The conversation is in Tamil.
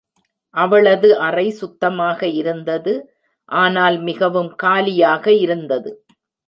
அவளது அறை சுத்தமாக இருந்தது, ஆனால் மிகவும் காலியாக இருந்தது.